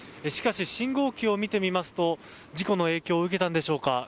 しかし信号機を見てみますと事故の影響を受けたのでしょうか。